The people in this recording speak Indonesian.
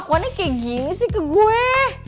pokoknya kayak gini sih ke gue